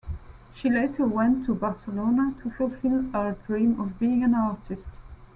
She later went to Barcelona to fulfill her dream of being an artist.